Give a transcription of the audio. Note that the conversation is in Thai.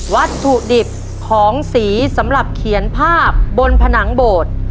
วัตถุดิบของสีสำหรับเขียนภาพบนผนังโบสถ์